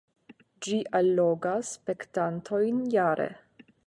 Ĝi allogas spektantojn jare.